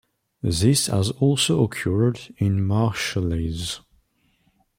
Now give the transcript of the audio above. This has also occurred in Marshallese.